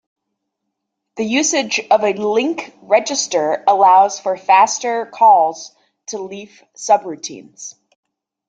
The usage of a link register allows for faster calls to leaf subroutines.